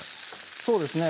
そうですね